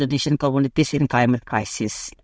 untuk komunitas indonesia dalam krisis klimat